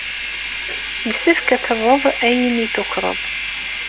Yessefk ad d-terreḍ ayen ay tukreḍ.